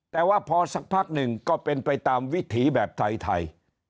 แต่ว่าพอสักพักหนึ่งก็เป็นไปตามวิถีแบบไทย